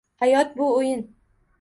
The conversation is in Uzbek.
Hayot bu o’yin